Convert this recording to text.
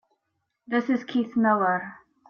This is Keith Miller.